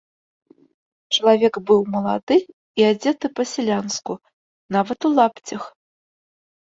Чалавек быў малады і адзеты па-сялянску, нават у лапцях.